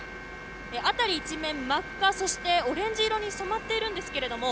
辺り一面真っ赤そして、オレンジ色に染まっているんですけども